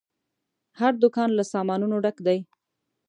هر دوکان له سامانونو ډک دی.